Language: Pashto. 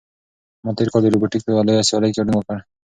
ما تېر کال د روبوټیک په یوه لویه سیالۍ کې ګډون وکړ.